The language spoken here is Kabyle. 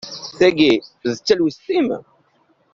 Tagi, d talwest-im?